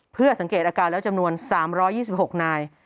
เพื่อสังเกตอาการแล้วจำนวน๓๒๖นาย